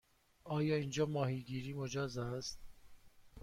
آیا اینجا ماهیگیری مجاز است؟